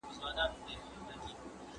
لوستې میندې د ماشومانو د ورځني نظم ساتنه کوي.